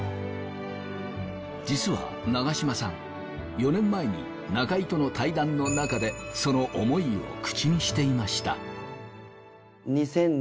実は長嶋さん４年前に中居との対談の中でその思いを口にしていました。